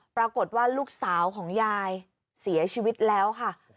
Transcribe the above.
ปรากฏว่าลูกสาวของยายเสียชีวิตแล้วค่ะ